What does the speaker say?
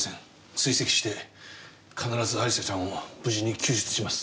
追跡して必ず亜里沙ちゃんを無事に救出します。